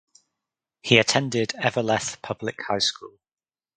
He attended Eveleth Public High School.